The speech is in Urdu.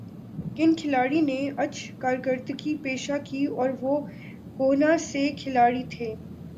کن کھلاڑی نے اچھ کارکردگی پیشہ کی اور وہ کونہ سے کھلاڑی تھے